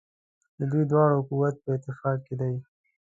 د دوی دواړو قوت په اتفاق کې دی.